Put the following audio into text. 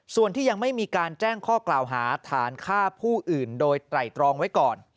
ส่วนที่ยังไม่มีการแจ้งข้อกล่าวหาฐานฆ่าผู้อื่นโดยไตรตรองไว้ก่อน